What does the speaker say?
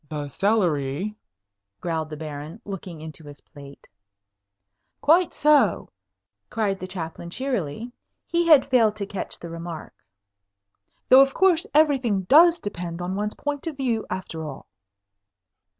"The celery," growled the Baron, looking into his plate. "Quite so," cried the Chaplain, cheerily. He had failed to catch the remark. "Though of course everything does depend on one's point of view, after all."